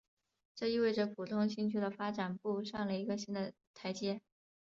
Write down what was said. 这意味着浦东新区的发展步上了一个新的台阶。